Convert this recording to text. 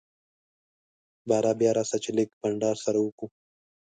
باره بيا راسه چي لږ بانډار سره وکو.